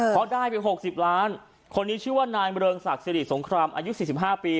เพราะได้ไป๖๐ล้านคนนี้ชื่อว่านายเริงศักดิ์สิริสงครามอายุ๔๕ปี